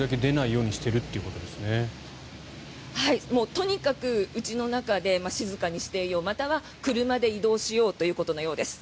とにかくうちの中で静かにしていようまたは車で移動しようということのようです。